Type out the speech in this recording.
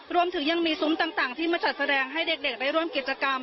รวมถึงยังมีซุ้มต่างที่มาจัดแสดงให้เด็กได้ร่วมกิจกรรม